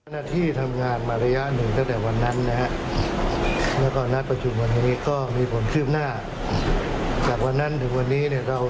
ก็ต้องกับคดียิงกำหนังและครอบครัวแล้วจำนวนสี่ราย